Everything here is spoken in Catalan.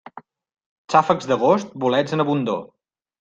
Xàfecs d'agost, bolets en abundor.